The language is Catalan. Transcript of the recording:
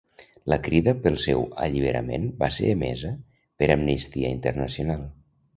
La crida pel seu alliberament va ser emesa per Amnistia Internacional.